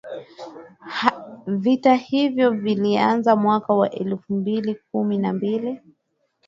Vita hivyo vilianza mwaka elfu mbili kumi na mbili